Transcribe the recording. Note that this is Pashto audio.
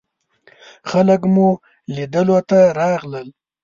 خلک مو لیدلو ته راغلل.